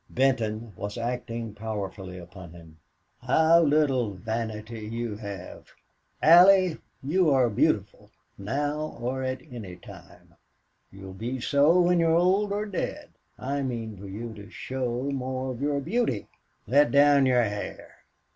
Benton was acting powerfully upon him. "How little vanity you have!... Allie, you are beautiful now or at any time. You'll be so when you're old or dead.... I mean for you to show more of your beauty.... Let down your hair.